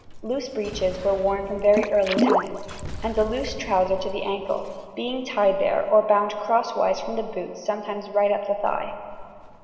Loose breeches were worn from very early times, and a loose trouser to the ankle, being tied there or bound crosswise from the boot sometimes right up the thigh.